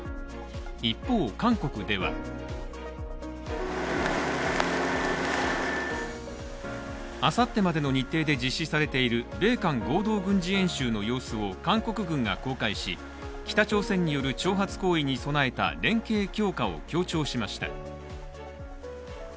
一方、韓国では、あさってまでの日程で実施されている米韓合同軍事演習の様子を韓国軍が公開し、北朝鮮による挑発行為に備えた連携強化を強調しました。